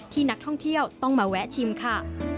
นักท่องเที่ยวต้องมาแวะชิมค่ะ